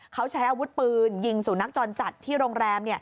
เขาใช้อาวุธปืนยิงสู่นักจรจัดที่โรงแรม